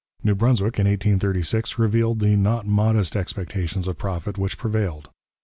New Brunswick in 1836 revealed the not modest expectations of profit which prevailed.